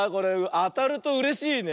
あたるとうれしいね。